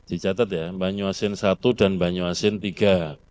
dicatat ya banyuasin i dan banyuasin iii